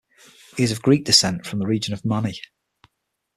He is of Greek descent from the region of Mani.